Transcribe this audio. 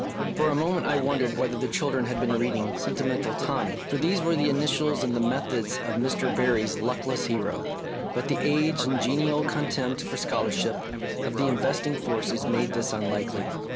For a moment I wondered whether the children had been reading "Sentimental Tommy," for these were the initials and the methods of Mr. Barrie's luckless hero, but the age and genial contempt for scholar ship of the investing forces made this unlikely.